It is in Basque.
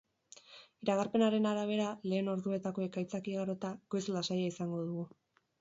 Iragarpenaren arabera, lehen orduetako ekaitzak igarota, goiz lasaia izango dugu.